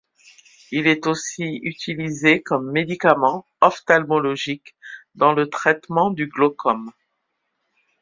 Il est aussi utilisé comme médicament ophtalmologique dans le traitement du glaucome.